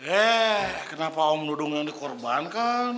eh kenapa om dudung yang dikorbankan